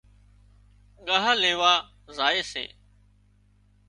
ڳاه ليوا زائي سي